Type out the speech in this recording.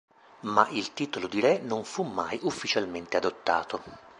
Ma il titolo di "Re" non fu mai ufficialmente adottato.